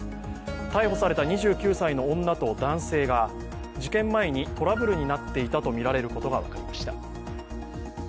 逮捕された２９歳の女と男性が事件前にトラブルになっていたとみられることが分かりました。